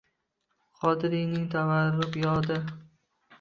Qodiriyning tabarruk yodi